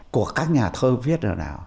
của các nhà thơ viết rồi nào